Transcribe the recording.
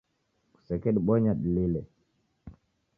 Kusekedibonya dilile